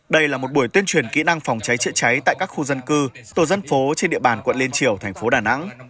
đây là một buổi tuyên truyền kỹ năng phòng cháy chữa cháy tại các khu dân cư tổ dân phố trên địa bàn quận liên triều thành phố đà nẵng